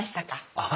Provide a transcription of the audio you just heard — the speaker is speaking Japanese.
ああ。